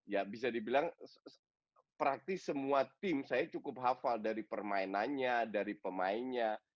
ya bisa dibilang praktis semua tim saya cukup hafal dari permainannya dari pemainnya